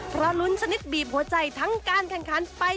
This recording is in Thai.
เพราะลุ้นชนิดบีบหัวใจทั้งการแข่งขันไป